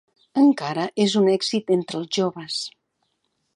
Encara és un èxit entre els joves.